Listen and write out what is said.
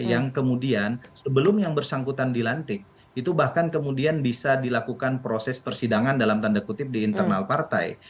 yang kemudian sebelum yang bersangkutan dilantik itu bahkan kemudian bisa dilakukan proses persidangan dalam tanda kutip di internal partai